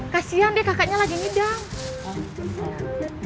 kasian deh kakaknya lagi ngidam